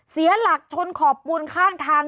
เสียหลักชนขอบปูนข้างทาง